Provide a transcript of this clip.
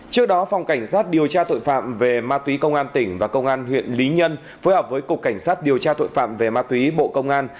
trước đó phòng cảnh sát điều tra tội phạm về ma túy công an tỉnh và công an huyện lý nhân phối hợp với cục cảnh sát điều tra tội phạm về ma túy bộ công an